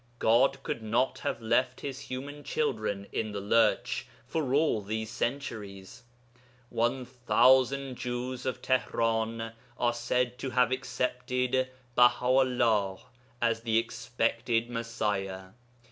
God could not have left his human children in the lurch for all these centuries. One thousand Jews of Tihran are said to have accepted Baha'ullah as the expected Messiah.